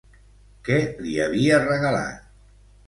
Què li havia regalat?